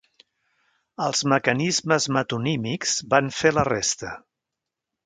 Els mecanismes metonímics van fer la resta.